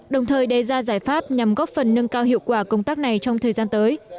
đồng thời đề ra giải pháp nhằm góp phần nâng cao hiệu quả công tác này trong thời gian tới